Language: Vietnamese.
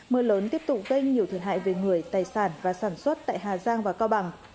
mưa lớn tiếp tục gây nhiều thiệt hại về người tài sản và sản xuất tại hà giang và cao bằng